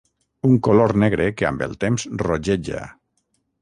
Un color negre que amb el temps rogeja.